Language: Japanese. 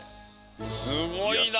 すごいなあ。